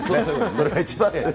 それが一番だと。